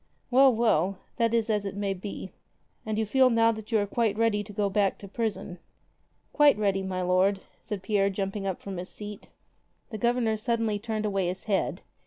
Well, well, that is as it may be. And you feel now that you are quite ready to go back to prison?" "Quite ready, my lord," said Pierre jumping up from his seat. The Governor suddenly turned away his head.